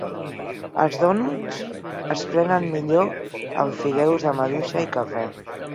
Els dònuts es prenen millor amb fideus de maduixa i cafè.